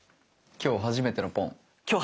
今日初めてのポン。